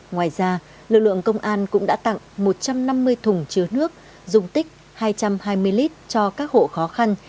ngoài ra lực lượng công an cũng đã tặng một trăm năm mươi thùng chứa nước dùng tích hai trăm hai mươi lít cho các hộ khó khăn